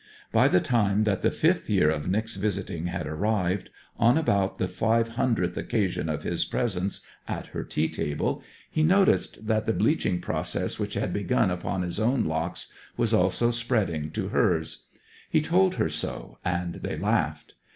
By the time that the fifth year of Nic's visiting had arrived, on about the five hundredth occasion of his presence at her tea table, he noticed that the bleaching process which had begun upon his own locks was also spreading to hers. He told her so, and they laughed.